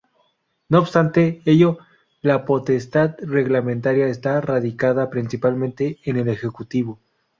No obstante ello, la potestad reglamentaria está radicada principalmente en el Ejecutivo.